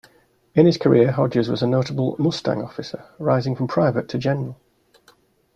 In his career Hodges was a notable "mustang" officer, rising from private to general.